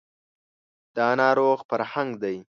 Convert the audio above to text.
دا ناروغ فرهنګ دی